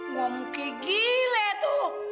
ngomong kegele tuh